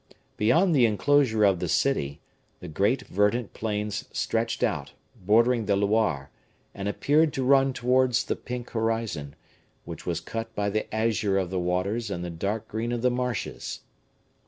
Beyond the inclosure of the city, the great verdant plains stretched out, bordering the Loire, and appeared to run towards the pink horizon, which was cut by the azure of the waters and the dark green of the marshes.